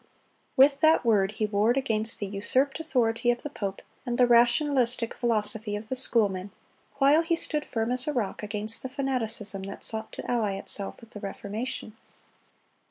With that Word he warred against the usurped authority of the pope, and the rationalistic philosophy of the schoolmen, while he stood firm as a rock against the fanaticism that sought to ally itself with the Reformation.